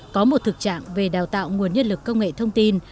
có một thực trạng về đào tạo nguồn nhân lực công nghệ thông tin